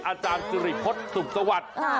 อาจารย์สิริพฤษสุขสวัสดิ์